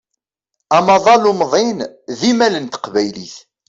Amaḍal umḍin d imal n teqbaylit.